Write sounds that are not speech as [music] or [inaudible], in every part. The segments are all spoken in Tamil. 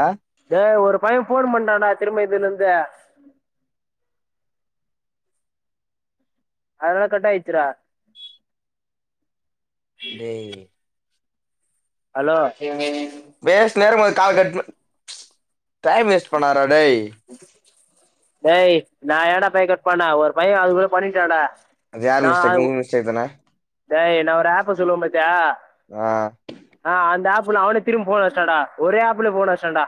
ஆ டே ஒரு பைய ஃபோன் பண்டான்டா திரும்ப இதுல இருந்து அதுனால கட் ஆயிருச்சுடா டேய் ஹலோ பேசினே இருக்கும் போது கால் கட் பண் டைம் வேஸ்ட் பண்ணாதடா டேய் டேய் நா எங்கடா போய் கட் பண்ணே ஒரு பைய அதுக்குள்ள பண்ணிட்டான்டா அது யாரு நான் அது மிஸ்டேக் உங்க மிஸ்டேக் தான டேய் நா ஒரு ஆப்ப சொல்லுவ பாத்தியா ஆ ஆ அந்த ஆப்புல அவன திரும்ப ஃபோன அச்டான்டா ஒரே ஆப்ல ஃபோன அச்டான்டா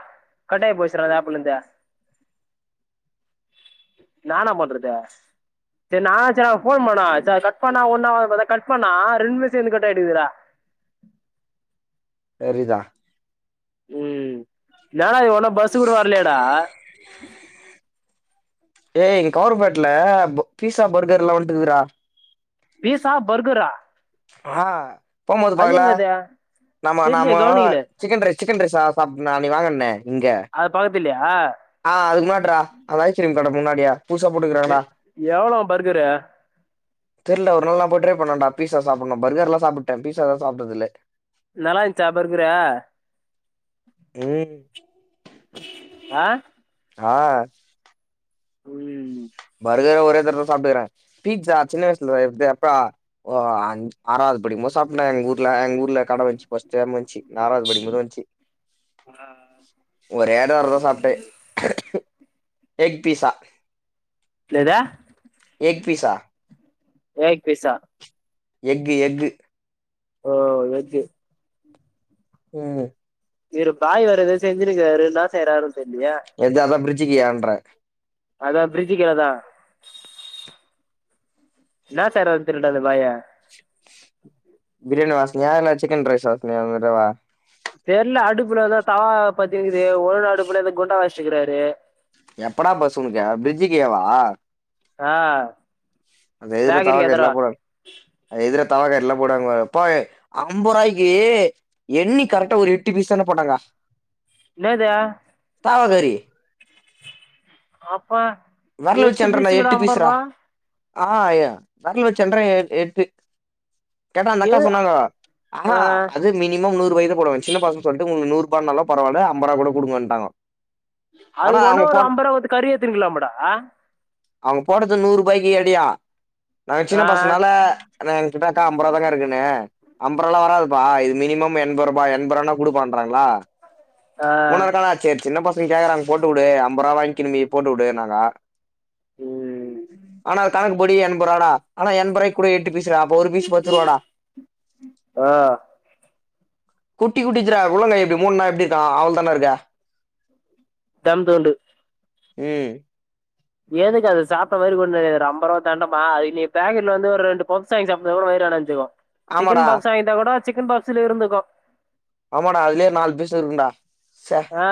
கட்டாய போசுற அந்த ஆப்புள் இருந்தே நா என்ன பண்றது சரி நா அச்சு ஃபோன் பண்ணா ச கட் பண்ணாண் ஒண்ணா ஆகாது பதா கட் பண்ணா ரெண்டுமே சேந்து கட்டாயிருக்கு டா சரி டா ம் நா ஒன்னு பஸ் கூட வர்லெயேடா ஏய் கவுர்மெட்ல பீஸா பர்கர்ல்லா வந்துருக்குடா பீசா பர்கரா ஆ அது எங்கது நாம நாம தெரியலையே கவனிக்கல சிக்கன் ரைஸ் சிக்கன் ரைஸ் சா சாப் நா அன்னிக் வாங்கனனே இங்க அது பக்கத்துல்லையா ஆ அதுக்கு முன்னாட்றா அந்த ஐஸ்கிரீம் கடக் முன்னாடுயே புதுசா போட்டுக்குறாடா அ பர்கரு தெரில ஒரு நாள் நா போய் ட்ரை பண்றேடா பீஸ்ஸா சாப்புட்ணு பர்கர்லா சாப்புட்டே பீஸாதா சாப்டதுல்ல நல்லா இருந்ச்சா பர்கரு ம் ஆ ஆ உய் பர்கர் ஒரே தடவ சாப்டுறே பீஸா சின்ன வயசுல இப்டி அப்பா ஆ அஞ் ஆறாவது படிக்கும்போச் சாப்ட்டனா எங்க ஊர்ல கட வெச்சு பஸ் டைம் வந்ச்சு நா ஆறாது படிக்கும் போது வந்ச்சு ஒரே ஒரு வரிதா சாப்ட்டே எக் பீஸா என்னத எக் பீஸா ஏக் பீஸா எக்கு எக்கு ஓ எக்கு ம் இரு பாய் வெற எதோ செஞ்சிருக்காரு என்னா செய்றாாருன் தெரிலயே எது அதா பிரிஜ்ஜிக்கு யான்ற அதா ப்ரிஜ்ஜுகிலதா இன்னா தரேன்டு இருந்த அந்த பாயா பிரியாணி வாசினியா இல்ல சிக்கன் ரைஸு வாசினியா இந்தடவ தெர்ல அடுப்புல எதா தவா பாத்திக்குது ஒரு அடுப்புல எதா குண்டா வச்சுக்கிறாரு எப்படா பஸ்ஸு உனக்கு பிரிட்ஜு கேவா ஆஹ் அது எதுல தவக்கட்லா போ அது எதுல தவ கட்லா போடுவாங்க அப்பா அம்ப ரூவாய்க்கு எண்ணி கரெக்டா ஒரு எட்டு பீஸ் தான்டா போட்டாங்க என்னது பாவகரி அப்பா வெரல வெச்சு எட்டு என்றன்டா பீஸுக்குடா எட்டு அம்பது பீஸ்றா ரூபா ஆ ய வெரல் வெச்சு என்ற ஏ எட்டு கேட்டா அந்த ஏ அக்கா சொன்னாங்க ஆ ஆமா அது மினிமம் நூறுவாய்குதா போடுவாங்க சின்ன பச தொட்டுக்க உங்களுக் நூறுபானாலு பரவால்ல அம்ப ரூவா கூட குடுங்கன்ட்டாங்க ஆனா அதுக்கு ஒண்ணொ அவங்க ஒரு போட் அம்ப ரூவா குத்து கறி ஏத்துருக்கலாமடா அவங்க போட்டது நூறு ரூபாய்க்கு எடியா நாங்க சின்ன ஆ பசனால ஆனா எங் கிட்டக்கா அம்பது ரூபாதா இருக்குனு அம்பது ரூாபாலா வராதுப்பா இது மினிமம் எண்பது ரூபா எண்ப ரூனா குடுக்கமாட்ராங்ளா ஆ ஓனரக்கானா சேரி சின்ன பசங்க கேக்குறாங்க போட்டுக்குடு அம்பது ரூபா வாங்கிக்கிணு நீ போட்டு விடுன்னாங்க உம் ஆனா கணக்கு பொடி என்பரூவாடா ஆனா என்பரூவாய்க் கூட எட்டு பீசுடா அப்ப ஒரு பீஸ் பத்து ரூவாடா ஆ குட்டி குட்டிதுடா உள்ளங்க இப்டி மூடுனா எப்டிருக்கு அவ்ளோ தான்டாருக்கு தம்தோண்டு உம் எதுக்கு அது சாப்ட்ட மாரி ஒன்னு அம்பதுரூவா தண்டமா அதுக்கு நீ பேக்கெட்ல வந்து ஒரு ரெண்டு பப்ஸ் ப்ஸ் வாங்கி சாப்டினா கூட வயிரடஞ்சுடு ஆமாடா சிக்கன் பப்ஸா வாங்கிட்டா கூட சிக்கன் பாக்ஸ்ல இருந்துக்கு ஆமாடா அதுலயே நாலு பீசு இருக்குடா ச்சே ஆ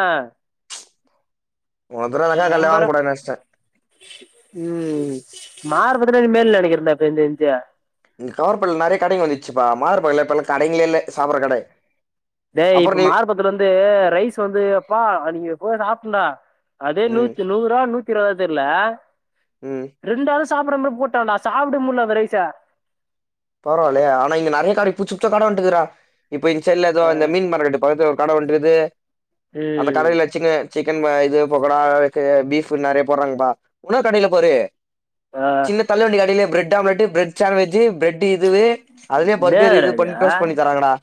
இன்னொரு தடவ அந்த கட்லயே வாங்க கூடாதுனு நனச்ட்டே உம் மாறுபதுனே மேல் நினைக்கிரேன்டா எனக் தெரிஞ்சி கவர்பன்ல நிறைய கடைங்க வந்துச்சுப்பா மார்பள்ள இப்பல்லா கடைங்கலே இல்ல சாப்புற கட டேய் இப்ப மார்பத்துலந்து ரைஸ் வந்து அப்பா அன்னைக்கு போய் சாப்டேன்டா அதே ம் நூத்தி நூறா நூத்திருவதா தெர்ல உம் ரெண்டாள் சாப்புற மாரி போட்டான்டா சாப்ட முடில அந்த ரைச பரவாயில்லயே ஆனா இங்க நிறைய கட புச்சு புச்சா கட வன்ட்டுகுதுறா இப்ப இந்சைட்ல எதோ இந்த மீன் மார்கெட்டு பக்கத்துல கட வன்டுகுது அந்த ம் கடையில சிக்க சிக்கன் இது பொக்கோடா பீஃப் நிறைய போடுறாங்கப்பா உன்னொரு கடையில பாரு ஆஹ் இந்த தள்ளுவண்டி கடைலயே bread omelette bread sandwich bread இதுவு அதுலயே பர்கர் என்னடா இது பண்ணி டோஸ்ட் பண்ணி தராங்கடா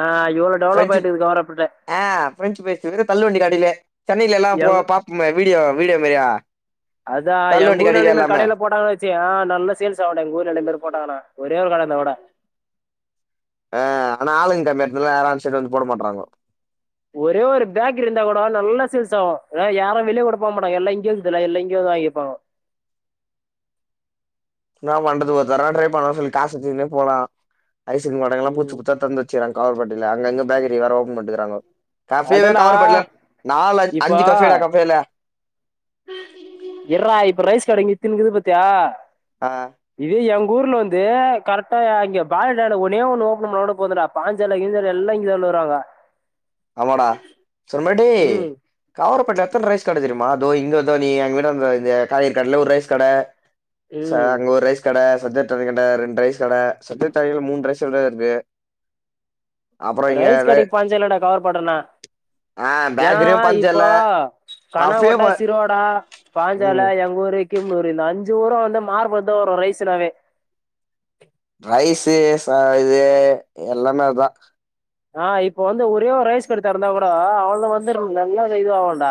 ஆஹ் இவ்ளோ டெவலப் ஆயிட்டுக்குது கவரப்பேட்ட ஆஹ் பிரெஞ்சு ப்ரைஸ் இர்க்குது தள்ளுவண்டி கடைலே சென்னையிலல்லா போ எங்க பாப்போமே வீடியோ வீடியோ மேரியா அதுதா எங்கூர்லலா இந்த கடையில போட்டாங்க சி ஆஹ் நல்லா சேல்ஸ் ஆவுன்டா எங்க ஊர்ல இந்த மாரி போட்டாங்கன்னா ஒரே ஒரு கட இருந்தா கூட ஆஹ் ஆனா ஆளுங்க கம்மி எடத்துல யாரு அந்த சைடு வந்து போட மாட்றாங்கோ ஒரே ஒரு பேக்ரி இருந்தா கூட நல்லா சேல்ஸ் ஆவு யாரு வெளியே கூட போ மாட்டாங்க எல்லா இங்கயேகுதுல்ல எல்லா இங்கயே வந்து வாங்கிப்பாங்கோ என்னா பண்றது ஒரு தரவ ட்ரை பண்லான்னு சொல்லி காசு தூக்கினே போலா ஐஸ்கிரீம் கடைகிலா ம் புச்சுபுச்சா தொறந்து வெச்சுகராங்க கவர்பேட்டைல அங்க அங்க பேகரிங்க வேற ஓப்பன் பண்ட்டுகுறாங்கோ கஃபேவேக் அதெல்லாம் காவருப்பேட்லப் நாலஞ் அஞ்சு கஃபேடா கஃபேல இர்றா இப்ப ரைஸ் கடைங்க இத்தினி இகுது பாத்தியா ஆ இதே எங்கூர்ல வந்து கரெக்டா அ இங்க [unintelligible] ஒன்னே ஒன்னு ஓப்பன் பண்ணாகூட போதுன்டா பாஞ்சால கீஞ்சால எல்லா இங்கேதாலு வருவாங்க ஆமாடா சொன்ன மாரி டே ம் காவாருபேட்ல எத்தன ரைஸ் கட தெரியுமா தோ இங்க தோ நீ எங்க வீட்டான்ட தோ இந்த காய்கறி கட்ல ஒரு ரைஸ் கட ச ம் அங்க ஒரு ரைஸ் கட சத்தே ட்ரேனி கட ரெண் ரைஸ் கட சத்தே தாய மூன் ரைஸ் கட இருதே ரைஸ் கடைக்கு பஞ்ச இல்லடா கவர் பேட்டனா ஆ ஏன்னா பேக்கரியு பஞ்சல்ல இப்போ கஃபே கனங்கோட்ட ப சிறுவோடா ம் பாஞ்சால எங்க ஊரு கிம்பூர் இந்த அஞ்சு ஊரு வந்து மாறுபடுதா வரு ரைஸுன்னாவே ரைஸு ச இது எல்லாமே அதா ஆ இப்ப வந்து ஒரே ஒரு ரைஸ் கட தெறந்தா கூட அவள்த வந்துரு நல்லது இதுவாவன்டா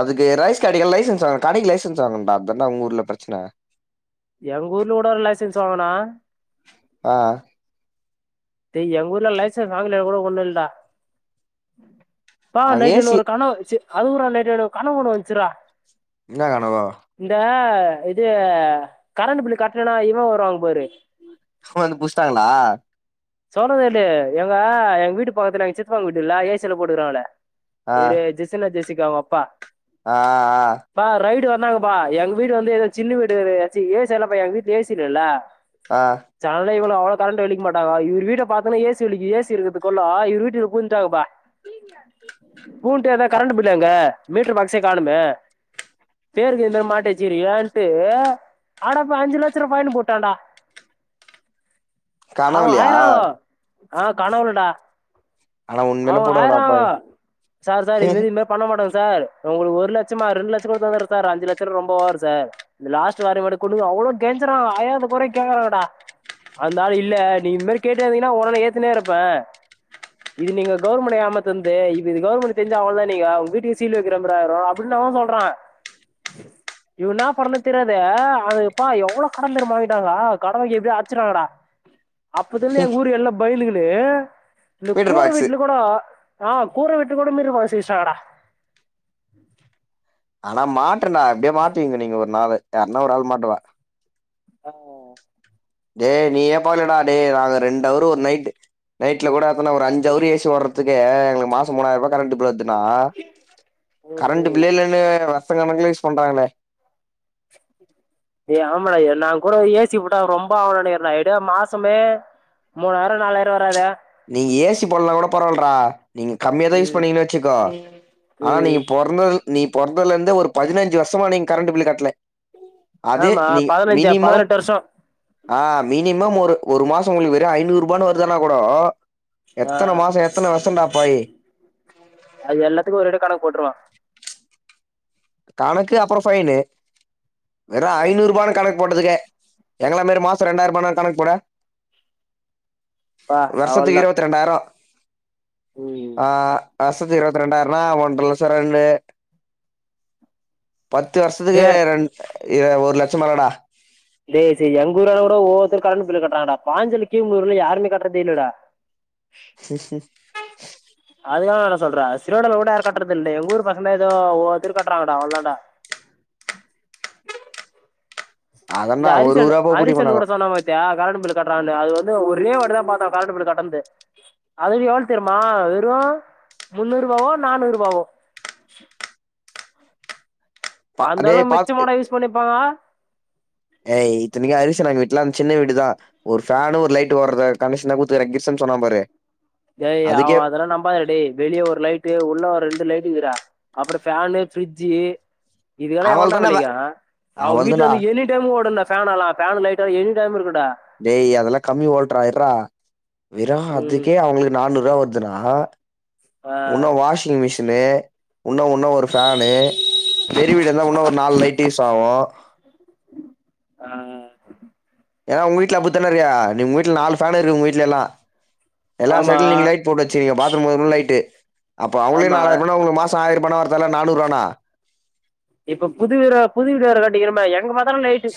அதுக்கு ரைஸ் கடைகு லைசன்ஸ் வாங்கனு கடைகு லைசன்ஸ் வாங்கன்டா அதான்டா உங்க ஊர்ல பிரச்சன எங்க ஊர்ல கூட ஒரு லைசன்ஸ் வாங்கனா ஆ டேய் எங்கூர்ல லைசன்ஸ் வாங்கலனா கூட ஒன்னுல்டா பா அங்க நைட்ட ஏ என சி ஒரு கனவுச்சு அது கூற நைட்டெடு கனவு ஒன்னு வந்ச்சுறா இன்னா கானவோ இந்த இது கரண்ட்டு பில்லு கட்லனா இவெ வருவாங் பாரு வந்து புச்டாங்களா சோலவேலியே எங்க எங்க வீட்டு பக்கதுல எங்க சித்தப்பாங் வீட்டு இல்ல ஏ சில போடுகறாங்கலே ஆ இரே ஜெசின ஜெசிக அவெ அப்பா ஆ ஆ பா ரைடு வந்தாங்கப்பா எங் வீடு வந்து எதோ சின்ன வீடுதே சி ஏ சி எல்லபா எங் வீட்ல ஏ சி இல்ல இல்ல ஆ சனல இவ்ள அவ்ளோ கர்ண்டு வெளிக் மாட்டாங்கோ இவீ வீட்ட பாத்தனா ஏ சி விலிகி ஏ சி இருகுது கொல்லா இவுரு வீட்டுல் பூந்ட்டாங்கப்பா பூந்ட்டு எதா கரண்ட்டு பில்லு எங்க மீட்டர் பாக்சே காணுமே பேருக்கு எந்தே மாட்டேவச்சகிரிலான்ட்டு அடா இப்ப அஞ்சு லச்சர ஃபைனு போட்டான்டா கனவுல்யே ஆயிராங்கோ ஆ கனவுல்டா ஆனா உண்மையில அவுங்க போடுவாங்கடா ஆயிராங்கோ பாவி சார் சார் இத்மேரி இன்மேர்ப் பண்ண மாட்டோங் சார் உங்குளுகு ஒரு லச்சமா ரெண் லச்சங் கூட தந்தர் சார் அஞ்சு லச்சோர் ரொம்ப ஓவர் சார் இந்த லாஸ்ட்டு வாரே மட்டு கொடுங்கோ அவ்ளோக் கெஞ்சரா அவெ அயாத கொறைக் கேகறாங்கடா அந்தாள் இல்லட் நீங் இந் மேரி கேட்டுனே இந்திகினா ஒடனே ஏத்தினேருப்பே இது நீங்க கவுர்மெண்ட் ஏமாதன்ந்து இது இது கவுர்மெண்டுக் தெரிஞ்சா அவுள்தா நீங்க உங் வீட்டுகு சீல் வெக்கிறம் பாரு ஆயிர்வா அப் ப்பின் அவெ சொல்றா இவெ இன்னாப் பண்றனேத் தெரியது அதுப்பா எவ்ளோக் கடன் தெர்மா வாங்கிட்டாங்கா கடமைகி எப்டியே அட்ச்சுர்றாங்கடா அப்பத்துல்ந்து எங்க ஊரு எல்லாப் பயிந்துகினு இந்தக் மீட்டர் கூர பாக்ஸு வீட்ல கூடோ ஆ கூர வீட்ரு கூட மீட்ரு பாசி இஷ்டாகடா ஆனா மாட்ரன்டா அப்டியே மாட்டுவீங்க நீங்க ஒரு நாளு யார்னா ஒரு ஆள் மாட்டுவா ஆ டேய் நீ ஏப் பாகலடா டே நாங்க ரெண்டவரு ஒரு நைட்டு நைட்ல கூட எத்தனா ஒரு அஞ்சவுரு ஏ சி ஓர்றதுக்கே எங்களுகு மாச் மூனாயர் ரூவா கரண்ட் பில் ஏத்னா கரண்ட் பில்லே இல்லனு வருஷ கணக்ல யூஸ் பண்றாங்ளே ஏய் ஆமாடா ஏ நா கூட ஏசி போட்டா ரொம்ப ஆவோன்டு இருந்தே எப்டியோ மாசமே மூனாயிரோ நாலாயிரோ வராது நீங்க ஏசி போட்லனா கூட பரவால்ரடா நீங்க கம்மியா தா யூஸ் ம் பண்ணீங்கன் வச்சுக்கோ ஆனா ம் நீங்க பொறந்தது நீ பொறந்தல இருந்தே ஒரு பதினஞ்சு வருஷமா நீங் கரண்ட் பில்லு கட்ல அதே ஆமா நீ பதினஞ்சா மினிமம் பதினெட்டு வருஷோ ஆ மினிமம் ஒரு ஒரு மாசோ உங்ளுக்கு வெறு ஐநூறு ரூபான்னு வருதுனா கூடோ ஆ எத்தன மாசோ எத்தன வருஷன்டா போயி அது எல்லாத்துக்கு ஒரு தட கணக்கு போட்ருவோ கணக்கு அப்றோ ஃபைனு வெறு ஐநூறு ரூபான் கணக் போட்டதுக்கே எங்கள மாரி மாசோ ரெண்டாயிர் ரூபானா கணக்கு போடு பா வர்ஷத்துக்கு இருவத்துரெண்டாயிரோ ஓ ஆ வருசத்து இருபத்தி ரெண்டாயிரண்ணா ஒன்றரை லட்சோ ரெண்டு பத்து வருஷத்துக்கு டே ரெண் எ ஒரு லட்சம் மேலடா டேய் செரி எங்க ஊரளவோட ஒ ஒருத்தங்க கரண்டு பில்லு கட்றாங்கடா பாஞ்சுலிக்கீமு ஊர்ல யாருமே கட்றது இல்லடா சரி சரி அது தா நானு சொல்றே ஸ்ரீவைண்டம்ல கூட யாரு கட்றது இல்லே எங்க ஊர் பக்கந்தா ஏதோ ஒ ஒருத்தர் கட்றாங்கடா அவ்ளதான்டா இந்த அதன்னா ஒரு அரிசன் ரூபா போக அரிசன் கூட ஆகும் சொன்ன பாத் தியா கரண்டு பில்லு கட்றாங்கன்னு அது வந்து ஒரே வாடிதா பாத்தோ கரண்டு பில்லு கட்டுனது அது எவ்ள தெரியுமா வெறு முன்னூற் ரூபாவோ நானூற் ரூபாவோ அந்த டேய் அளவு பாத்து மிச்சமாடா யூஸ் பண்ணிப்பாங்க ஏய் இத்தனைக்கு அரிசுனா வீட்லா சின்ன வீடுதா ஒரு ஃபேனு ஒரு லைட்டு ஓட்றத கண்டிஷனா குட்த்துறே கிஃப்ட்ஸுன்னு சொன்னா பாரு ஏய் அவ அதுக்கே அதெல்லா நம்பாதடா டேய் வெளிய ஒரு லைட்டு உள்ள ஒரு ரெண்டு லைட்டு இருக்துடா அப்றோ ஃபேனு ஃப்ரிட்ஜு இதுகெல்லா அவள் எவன்டா தானே வெலிகா அவ அவள் வீட்டுல தானா இருந்து எனி டைமு ஓடுன்டா ஃபேனலா ஃபேனு லைட்டு எனி டைமு இருக்குன்டா டேய் அதெல்லா கம்மி ஓல்டுறா இர்ரா விரா ம் அதுக்கே அவுங்ளுக்கு நானூற் ரூபா வருத் துனா ஆ உன்னு வாஷிங் மிஷின் னு இன்னு ஒன்னு ஒரு ஃபேனு பெரிய வீடா இருந்தா இன்னு ஒரு நால் லைட்டு யூசாவு ஆ ஏனா உங்க வீட்ல அப்பித்தான இருக்க நீங் உங்க வீட்ல நாலு ஃபேனு இருக்கு உங்க வீட்ல எல்லா எல்லா ஆமா சைட்லயு நீங் லைட் போட் வச்சி இங்க பாத்ரூம் போம்போது லைட்டு அப்ப அவுங்ளுக்கே ஆமா நாலாயிர் ரூபான்னா உங்களுக்கு மாசோ ஆயிரோ ரூபான்ன வரத்தேவல்ல நானூற் ரூபான்ன இப்ப புது வீர புது வீடு வேற கட்டிங்கிறோமா எங்க பாத்தாலு லைட்டு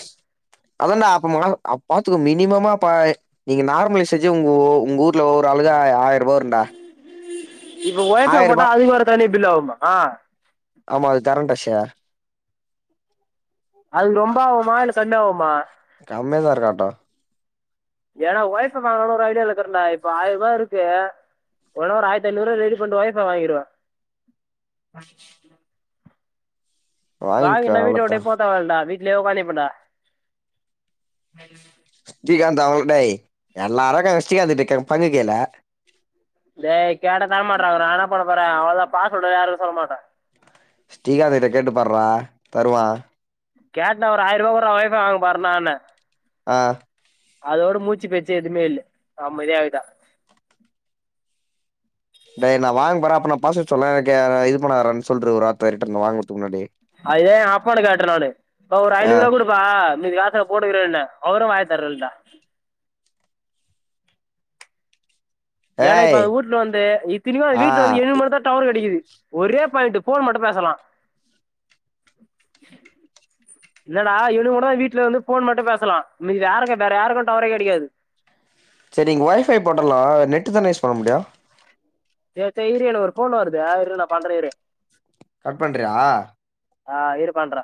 அதான்டா அப்பமா அப் பாத்துக்கோ மினிமமா அப்ப நீங்க நார்மலி செச்சு உங்க உங்க ஊர்ல ஒரு ஆளுகா ஆயிர் ரூபா வருன்டா இப்ப ஒய்ஃபை போட்டா அதுக்கு வேற தனி பில் ஆவுமா ஆமா அது கரண்டஷ அது ரொம்ப ஆவுமா இல்ல கம்மியா ஆவுமா கம்மியா தா இருக்கு ஆட்டோ ஏனா ஒய்ஃபை வாங்கனுனு ஒரு ஐடியால இருக்கறேன்டா இப்ப ஆய்யர் ரூபா இருக்கு ஒடொ ஒரு ஆயிர்த்தி ஐநூறு ரெடி பண்டு ஒய்ஃபை வாங்கிடுவே வாங்கிக்க வாங்கினா வீட்ட விட்டே அவ்வளவுதான் போத்தேவல்டா வீட்லே உக்காந்திப்பேன்டா ஸ்ரீகாந்த் அவ்ள டே என்ன அழகா ஸ்ரீகாந்த டேக் பண்ணி கேல டேய் கேட்ட தர மாட்றாக நா என்ன பண்ண போறே அவ்ளோதா பாஸ்வேர்ட யாருக்கு சொல்ல மாட்டே ஸ்ரீகாந்த் கிட்ட கேட்டு பார்றா தருவா கேட்டே ஒரு ஆயிரரூவா குடுறா ஒய் ஃபை வாங்க போறேனானு அ அதோட மூச்சு பேச்சு எதுமே இல்ல அமைதி ஆயிட்டா டே நா வாங்க போறே அப்ப நா பாஸ்வேர்டு சொன்னா கே இது பண்ணாதடானு சொல்று ஒரு வார்த்த ரீட்டன் வாங்குறதுக்கு முன்னாடி அது ஏ அப்பனு கேட்றே நானு இப்ப ஒரு ஆ ஐநூறு ரூவா குடு பா மீதி காச போட்டுகிறேனே அவரு வாயத்தெறக்கலடா ஏனா இப்ப ஏய் அவ வுட்ல வந்து இத்தினிக்கு அவ ஆ வீட்ல வந்து எனக் மட்டுதா டவர் கெடைக்குது ஒரே பாயிண்ட்டு ஃபோன் மட்டு பேசலா இல்லடா இவனுக்கு மட்டு தா வீட்ல இருந்து ஃபோன் மட்டு பேசலா மீத யாருக்கு வேற யாருக்கு டவரே கெடைக்காது செரி இங் ஒய் ஃபை போட்டலா நெட்டு தான யூஸ் பண்ண முடியு சேரி சேரி இரு எனக்கு ஒரு ஃபோன் வருது இரு நா பண்றே இரு கட் பண்றியா ஆ இரு பண்றே